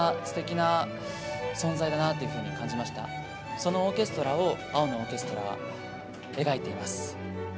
そのオーケストラを「青のオーケストラ」は描いています。